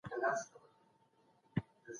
نفس د لغتونو برخه ده.